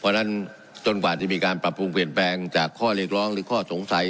เพราะฉะนั้นจนกว่าจะมีการปรับปรุงเปลี่ยนแปลงจากข้อเรียกร้องหรือข้อสงสัย